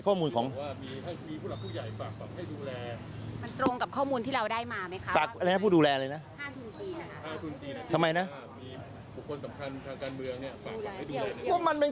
ก็มันคนพูด็เองพูดอยู่กับปากเลย